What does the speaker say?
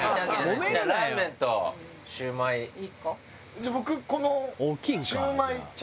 じゃあ僕この。